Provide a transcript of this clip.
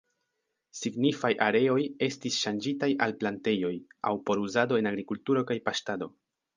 Signifaj areoj estis ŝanĝitaj al plantejoj, aŭ por uzado en agrikulturo kaj paŝtado.